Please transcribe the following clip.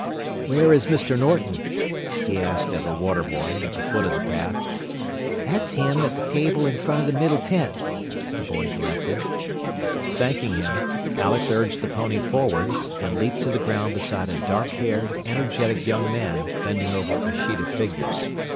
"Where is Mr. Norton?" he asked of a water boy at the foot of the path. "That's him at the table in front of the middle tent," the boy directed. Thanking him, Alex urged the pony forward, and leaped to the ground beside a dark haired, energetic young man bending over a sheet of figures.